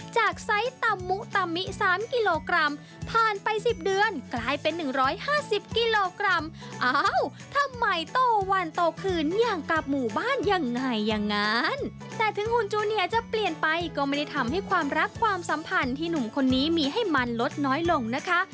วันโตขึ้นอย่างกับหมู่บ้านยังไงอย่างนั้นแต่ถึงหุ่นจูเนียจะเปลี่ยนไปก็ไม่ได้ทำให้ความรักความสัมพันธ์ที่หนุ่มคนนี้มีให้มันลดน้อยลงนะคะ